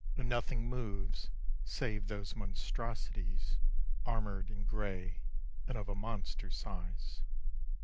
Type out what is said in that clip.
And nothing moves save those monstrosities Armoured and grey and of a monster size.